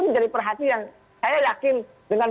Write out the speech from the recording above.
menjadi perhatian saya yakin dengan